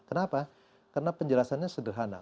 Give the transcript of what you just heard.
kenapa karena penjelasannya sederhana